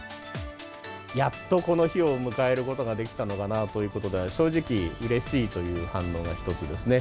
やっとこの日を迎えることができたのかなということで、正直、うれしいという反応が一つですね。